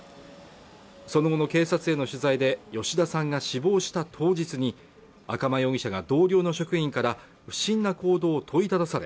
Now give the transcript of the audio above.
その後の警察への取材で吉田さんが死亡した当日に赤間容疑者が同僚の職員から不審な行動を問いただされ